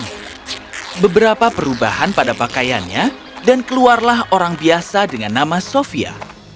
ada beberapa perubahan pada pakaiannya dan keluarlah orang biasa dengan nama sofia